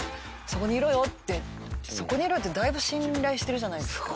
そこにいろよってだいぶ信頼してるじゃないですか。